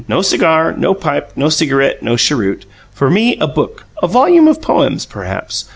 No cigar, no pipe, no cigarette, no cheroot. For me, a book a volume of poems, perhaps.